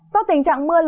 sau tình trạng mưa lớn